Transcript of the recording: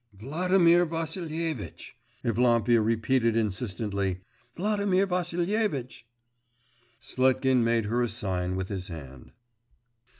'Vladimir Vassilievitch!' Evlampia repeated insistently: 'Vladimir Vassilievitch!' Sletkin made her a sign with his hand.